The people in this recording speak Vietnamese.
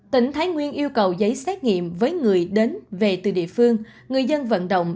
tỉnh thái nguyên yêu cầu giấy xét nghiệm với người đến về từ địa phương người dân vận động